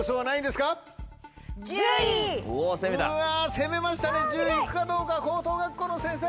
攻めましたね１０位行くかどうか高等学校の先生。